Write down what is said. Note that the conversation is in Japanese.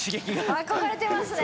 憧れてますね。